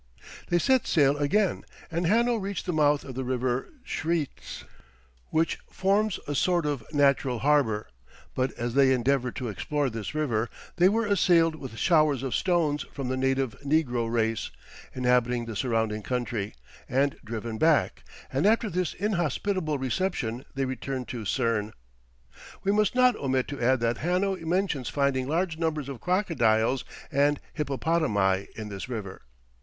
They set sail again, and Hanno reached the mouth of the river Chretes, which forms a sort of natural harbour, but as they endeavoured to explore this river, they were assailed with showers of stones from the native negro race, inhabiting the surrounding country, and driven back, and after this inhospitable reception they returned to Cerne. We must not omit to add that Hanno mentions finding large numbers of crocodiles and hippopotami in this river.